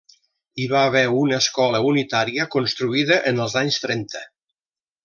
Hi va haver una escola unitària construïda en els anys trenta.